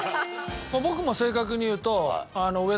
僕も正確に言うと。